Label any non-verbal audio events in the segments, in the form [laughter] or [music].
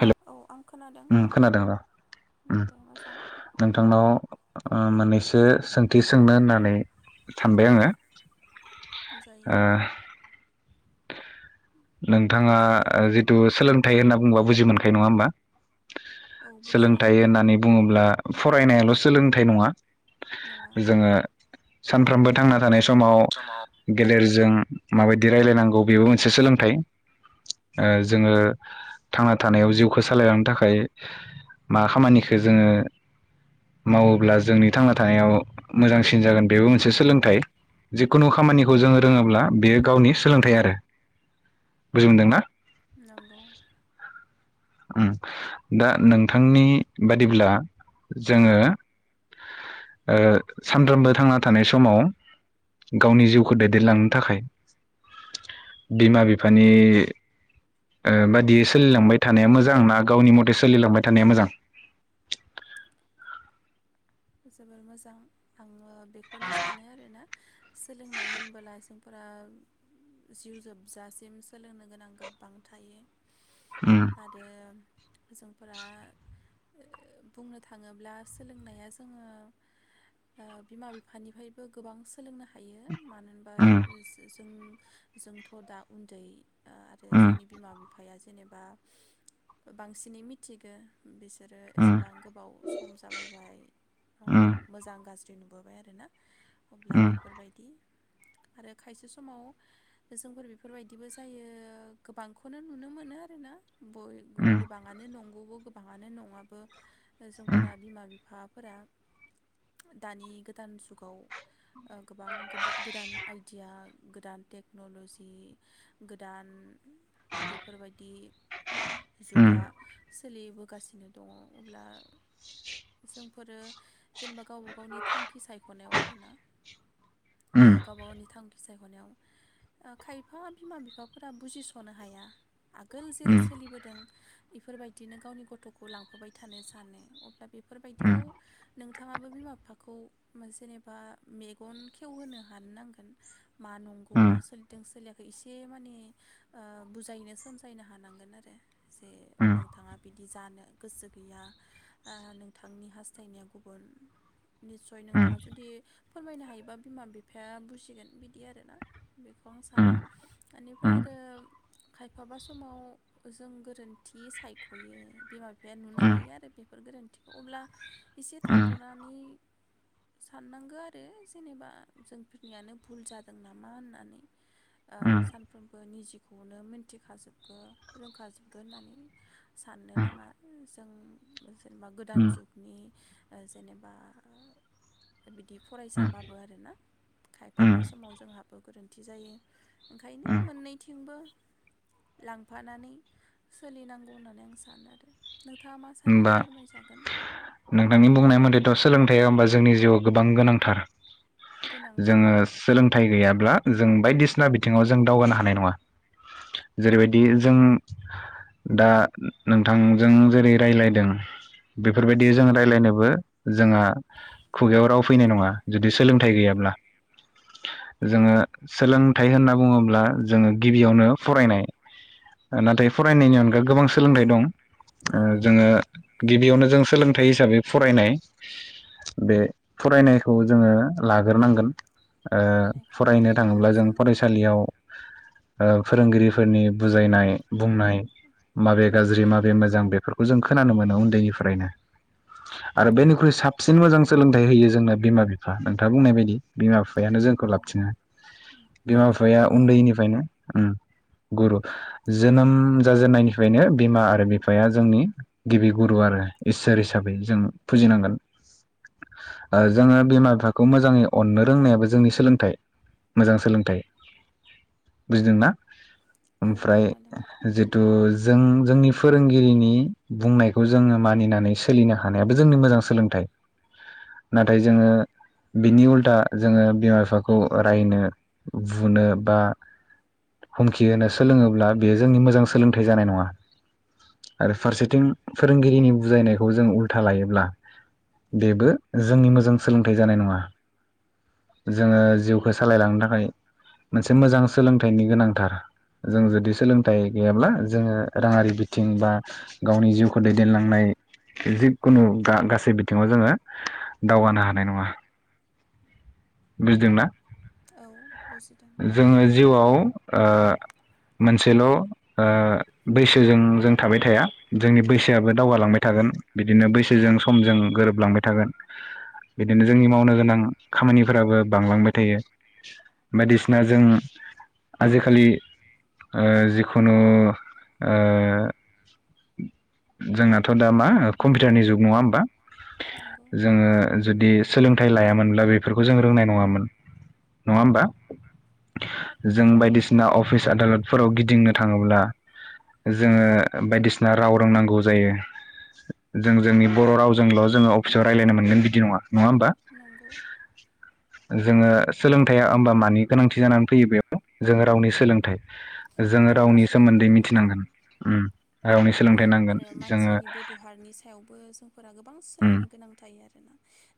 हेल' औ आं। खोनादों उम खोनादों र' उम दे मोजां नोंथांनाव ओ माने एसे सोंथि सोंनो होननानै सानबाय आङो। जायो। ओ नोंथाङा टपिकखौ लादो जिथु सोलोंथाइ होनना बुंबा बुजि मोनखायो नङा होमबा? औ बुजियो सोलोंथाइ होननानै बुङोब्ला फरायनायाल' सोलोंथाइ नङा नङा जोङो सानफ्रोमबो थांना थानाय समाव गेलेरजों माबायदि रायलायनांगौ बेबो मोनसे सोलों थाय। ओ जोङो थांना थानायाव जिउखौ सालायलांनो थाखाय मा खामानिखौ जोङो मावोब्ला जोंनि थांना थानायाव मोजांसिन जागोन बेबो मोनसे सोलोंथाइ। जिखुनु खामानिखौ जोङो रोङोब्ला बेयो गावनि सोलोंथाइ आरो। बुजि मोनदों ना? नंगौ उम दा नोंथांनि बादिब्ला जोङो ओ सानफ्रोमबो थांना थानाय समाव गावनि जिउखौ दैदेनलांनो थाखाय बिमा बिफानि ओ बादियै सोलिलांबाय थानाय मोजां ना गावनि मथे सोलिलांबाय थानाया मोजां? जोबोर मोजां आङो बेखौनो सानो आरोना सोलोंनाय होनबोला जोंफोरा जिउ जोबजासिम सोलोंनो गोनां गोबां थायो। उम आरो जोंफोरा ओ बुंनो थाङोब्ला सोलोंनाया जो जोङो ओ बिमा बिफानिफायबो गोबां सोलोंनो हायो मानो होनबा उम जो-जों जोंथ दा उन्दै आ आरो उम जोंनि बिमा बिफा फाया जेनेबा बांसिनै मिथिगो बेस सोरो एसेबां गोबाव सम जाबोबाय आ उम मोजां गाज जे नुबोबाय आरो ना। अब्ला उम बेफोरबायदि आरो खायसे समाव जोंफोर बेफोरबायदिबो जायो गोबांखौनो नुनो मोनो आरोना। बय गो गोबांआनो नं [unintelligible] बो गोबाङानो नङाबो जोंफोरा बिमा बिफ फोरा दानि गोदान जुगाव ओ गोबां गोबा गोदान आइडिया गोदान टेक्नलजि गोदान बेफोरबायदि जुगा सोलिबोगासिनो दङ अब्ला जों फोरो जेनेबा गावबा गावनि थांखि सायख'नायाव आरोना उम ओ गावबा गावनि थांखि सायख'नायाव ओ खायफा बिमा बिफाफोरा बुजिस'नो हाया आगोल जेरै सोलिबोदों बेफोरबायदिनो गावनि गथ'खौ लांफाय थानो सानो अब्ला बेफोरबायदि उम बिदियाव नोंथाङाबो बिमा बिफाखौ जेनेबा मेगन खेवहोनो हानो नांगोन मा नंगौ मा सोलिदों सोलियाखै एसे माने ओ बुजायनो सोमजायनो हानांगोन आरो जे नोंथाङा बिदि जानो गोसो गैया आ नोंथांनि हास्थायनाया गुबुन निस्सय उम नोंथाङा जुदि फोरमायनो हायोबा बिमा बिफाया बुजिगोन बिदि आरोना बेखौ आं उम सानो उम इनिफ्राय आरो खायफाबा समाव जों गोरोन्थि सायख'यो बिमा बिफाया नुनो हायो आरो बेफोर गोरोन्थि अब्ला एसे होमबा थाथनानै साननांगौ आरो जेनेबा जोंफोरनियानो भुल जादों नामा होननानै ओ सानफ्रोमबो निजिखौनो मिथिखाजोबगो रोंखाजोबगो होननानै साननो नाङा जों जेनेबा दान जुगनि ओ जेनेबा बिदि फरायसाबाबो आरोना खायफाबा समाव जोंहाबो गोरोन्थि जायो ओंखायनो मोननैथिंबो लांफानानै सोलिनांगौ होननानै आं सानो आरो नो नोंथांङा मा सानो फोरमायजा नोंथांनि बुंनाय मथेथ' सोलोंथाइया होमबा जोंनि जिउआव गोबां गोनांथार। गोनांथार जोङो सोलोंथाइ गैया [unintelligible] जों बायदिसिना बिथिङाव जों दावगानो हानाय नङा जेरैबायदि जों दा नोंथांजों जेरै रायज्लायदों बेफोरबायदि जों रायज्लायनोबो जोंहा खुगायाव राव फैनाय नङा जुदि सोलोंथाइ गैयाब्ला। फैया जोङो सोलों थाय होनना बुङोब्ला जोङो गिबियावनो फरायनाय नाथाय फरायनायनि अनगा गोबां सोलोंथाइ दं। दङ। ओ जोङो गिबियावनो जों सोलोंथाइ हिसाबै फरायनाय बे फरायनायखौ जोङो लाग्रोनांगोन। ओ फरायनायखौ फरायनो लाग्रोगोन थाङोब्ला जों जोङो फरायसालियाव ओ फोरोंगिरिफोरनि बुजायनाय बुंनाय माबे बुंनाय गाज्रि माबे मोजां बेफोरखौ खोनानो मोनो उन्दैनिफ्रायनो आरो बेनिख्रुइ साबसिन मोजां सोलोंथाइ होयो जोंनो बिमा बिफा नोंथाङा बुंनाय बायदि बिमा बि बिमा बिफायानो औ जोंखौ लाबथिङो बिमा गिबिया बिफाया बेनो आरो उन्दैनिफ्रायनो ओम गुरु जोनोम जाजेननायनिफ्रायनो बिमा आरो बिफाया जोंनि गिबि गुरु आरो इसोर हिसाबै जों फुजिनांगोन जोङो बिमा बिफाखौ मोजाङै अननो रोंनायाबो जोंनि सोलोंथाइ मोजां सोलोंथाइ बुजिदोंना। औ ओमफ्राय खोनादों जिथ जों जोंनि फोरोंगिरिनि बुंनायखौ जोङो मानिनानै सोलिनो हानायाबो जोंनि मोजां सोलोंथाइ नाथाय जोङो बिनि उल्था जोङो बिमा बिफाखौ रायनो बुनो बा हुमखि होनो सोलोङोब्ला बेयो जोंनि मोजां सोलोंथाइ जानाय नङा आरो। फारसेथिं फोरोंगिरिनि बुजायनायखौ जों उल्था लायोब्ला बेबो जोंनि मोजां सोलोंथाइ जानाय नङा जोङो जिउखौ सालायलांनो थाखाय मोनसे मोजां सोलोंथाइनि गोनांथार जों जुदि सोलोंथाइ गैयाब्ला जोङो राङारि बिथिं बा गावनि जिउखौ दैदेनलांनाय जिखुनु गासै बिथिङाव जोङो दावगानो हानाय नङा। बुजिदोंना? औ बुजिदों जोङो जिउआव मोनसेल' बैसोजों जों थाबाय थाया जोंनि बैसोआआबो दावगालांबाय थागोन बिदिनो बैसोजों समजों गोरोबलांबाय थागोन बिदिनो जोंनि मावनो गोनां खामानिफोराबो बांलांबाय थायो। बायदिसिना जों आजिखालि जिखुनु जोंनाथ' दा मा कम्पिउटारनि जुग नङा होमबा नंगौ जोङो जुदि सोलोंथाइ लायामोनब्ला बेफोरखौ जों रोंनाय नङामोन नङा होमबा? जों बायदिसिना अफिस आदालतफोराव गिदिंनो थाङोब्ला जोङो बायदिसिना राव रोंनांगौ जायो जों जोंनि बर' रावजोंल' जोङो अफिसाव रायज्लायनो मोनगोन बिदि नङा। नङा होमबा? नंगौ जोङो सोलोंथाइया होमबा मानि गोनांथि जानानै फैयो बेयाव जोङो रावनि सोलोंथाइ जोङो रावनि सोमोन्दै सोलोंथाइ नांगोन मिथिनांगोन उम रावनिस आरो मानसिनि बेब'हारनि सायावबो जोंफोरा गोबां उम सोलोंनो गोनां थायो आरो।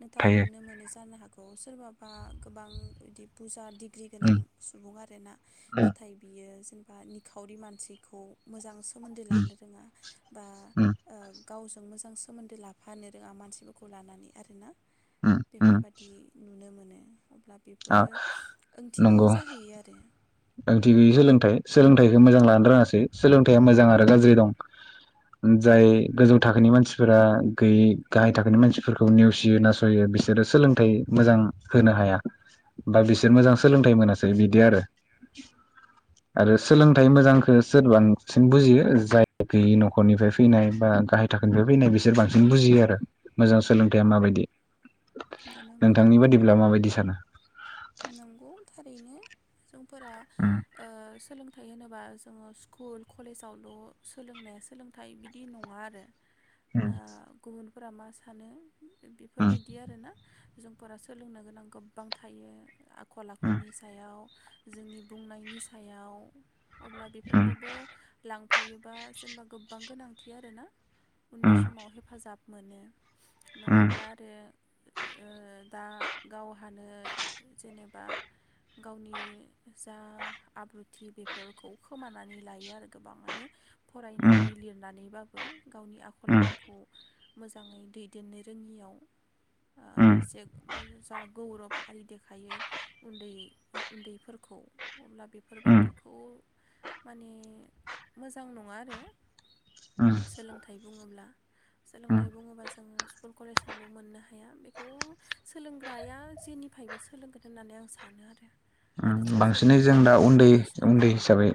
नोंथाङा थायो नुनो मोनो जानो हागौ सोरबा? बा गोबां बिदि फुजा दिग सिख्रि गोनां उम सुबुं आरोना उम नाथाय बियो जेनेबा निखावरि मानसिखौ मोजांसि सोमोन्दो लानो रोङा। बा उम ओ गावजों मोजां सोमोन्दो लाफानो रोङा मानसिफोरखौ लानानै आरो ना। उम उम बेफोरबादि नुनो मोन [unintelligible] अब्ला आ बेफोरो ओंथि गैयै नंगौ जाहैयो आरो। ओंथि गैयै सोलोंथाइ सोलोंथाइखौ मोजां लानो रोङासै सोलोंथाइया मोजां आरो गाज्रि दं जाय गोजौ थाखोनि मानसिफोरा गैयै गाहाय थाखोनि मानसिफोरखौ नेवसियो नासययो बिसोरो सोलोंथाइ मोजां होनो हाया बा बिसोर मोजां सोलोंथाइ मोनासै बिदि आरो। आरो सोलोंथाइ मोजांखौ सोर बांसिन बुजियो जाय गैयि न'खरनिफ्राय फैनाय बा गाहाय थाखोनिफ्राय फैनाय बिसोर बांसिन बुजियो आरो मोजां सोलोंथाइया माबायदि। नुनो मोनो नोंथांनि बाददिब्ला माबायदि थनो नंगौ थारैनो जों फोरा उम ओ सोलोंथाइ होनोबा जो जोङो स्कुल कलेजावल' सोलोंनाया सोलोंथाइ बिदि नङा आरो। उम फोरा मा सानो उम बेफोरबायदि आरोना जोंफोरा सोलोंनो गोनां गोबां थायो। खलाखलनि सायाव जोंनि बुंनायनि सायाव अब्ला उम बेफोरखौबो लां फायोबा जेनेबा गोबां गोनांथि आरोना उननि उम समाव हेफाजाब मोनो। उम नङाब्ला आरो ओ दा गावहानो जेनेबा गावनि जा आब्रुथि बेफोरखौ खोमानानै लायो आरो गोबाङानो। फरायनानै लिरनानै बा बो गावनि आखल आखुखौ मोजाङै दैदेननो रोङियाव ओ एसे ओ जा गौरब आरि दे खायो उन्दैफोर उन्दैफोरखौ अब्ला उम उम बेफोरबादिखौ माने मोजां नङा आरो सोलोंथाइ बुङोब्ला उम सोलोंथाइ बुङोबा जोङो स्कुल कलेजावल' मोननो हाया बेखौ सोलोंग्राया जेनिफ्रायबो सो सोलोंगोन होननानै आं सानो आरो आरो उम जों बांसिनै सोलोंबाय जों दा थानांगोन उन्दै होननानै सानो उन्दै हिसाबै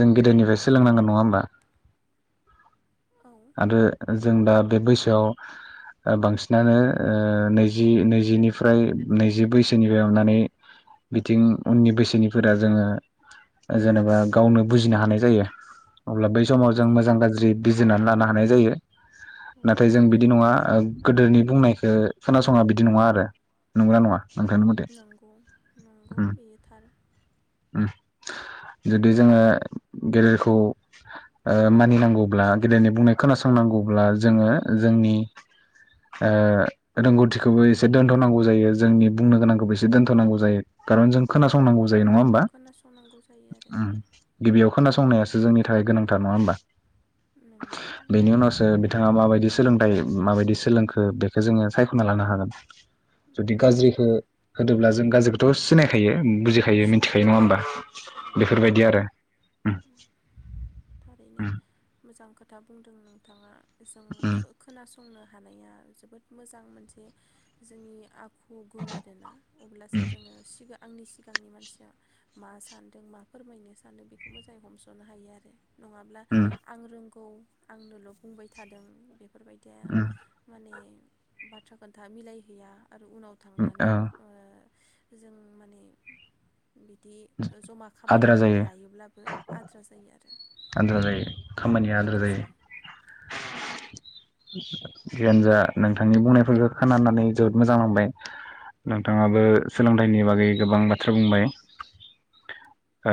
जों गेदेरनिफ्राय स सोलोंनांगोन नङा होमबा? आं औ आरो जों दा बे बैसोआव ओ बांसिनानो ओ नैजि नैजिनिफ्राय नैजि बैसोनिफ्राय अननानै बिथिं उननि बैसोनिफोरा जोङो ओ जेनेबा गावनो बुजिनो हानाय जायो अब्ला बैस समाव जों मोजां जायो गाज्रि बिजिरनानै ला ना हानाय जायो। नाथाय जों थारैनो बिदि नङा ओ गोदोनि बुंनायखो खोनासङा बिदि नङा आरो नंगौना नङा? नोंथांनि मथे नंगौ नंगौ उम बेयो थार। उम जुदि जोङो गेदेरखौ ओ मानिनांगौब्ला गेदेरनि बुंनायख खोनासंनांगौब्ला जोङो ओ जोंनि ओ रोंगौथिखौबो एसे दोन्थ'नांगौ जायो जोंनि बुंनो गोनांखौबो एसे दोनथ'नांगौ जायो। कारन जों औ खोनासंनांगौ जायो नङा होमबा? खोनासंनांगौ जायो आरो उम गिबियाव खोनासं संनायासो जोंनि थाखाय गोनांथार नङा होमबा? नोंगौ। बेनि उनावसो बिथाङा माबायदि सोलोंथाइ माबायदि सोलोंखो बेखौ जोङो सायख'ना लानो हागोन। जुदि नंगौ गाज्रिखो होदोब्ला जों गाज्रिखौथ' सिनायखायो उम बुजिखायो मिथिखायो नङा सिनायखागोन होमबा नंगौ बेफोरबायदि आरो उम उम था बुंदों नोंथाङा। जों खो-खोनास फसंनो हानाया जोबोद मोजां मोनसे जोंनि आखु गुन आरोना अब्लासो उम जोङो सिगां आंनि सिगांनि मानसिया मा सानदों मा फोरमायनो सानदों बेखौ मोजाङै हमस'नो हायो आरो नङाब्ला उम आं रोंगौ औ आंदोलन बुंबाय थादों बे बेफोरबायदिया उम माने बाथ्रा खोन्था मिलायहैया आरो उनाव उम औ थांनानै जों माने बिदि जमा खामानि आद्रा मावनो जायो लायोब्लाबो आद्रा जायो आरो आद्रा जायो। खामानिया आद्रा जायो जियानो जा नोंथांनि बुंनायफोरखौ खोनानानै जोबोद मोजां मोनबाय नोंथाङाबो सोलोंथाइनि बागै गोबां बाथ्रा बुंबाय ओ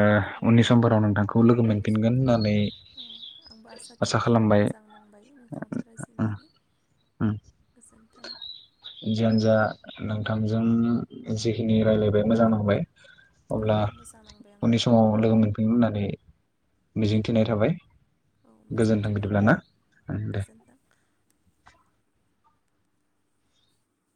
उननि समफोराव नोंथांखौ लोगो मोनफिनगोन। उनफोराव होननानै आं आंबो आसा थिबाय मोजां नांबाय नोंथांजों उम रायज्लायनानै उम गोजोन्थों। जियानो जा नोंथांजों जिखिनि रायज्लायबाय मोजां नांबाय। औ अब्ला मोजां नांबाय उननि आंबो समाव लोगो मोनफिनगोन होननानै मिजिंथिनाय थाबाय। औ गोजोन्थों मिजिंथिबाय बिदिब्ला आंबो ना गोजोन्थों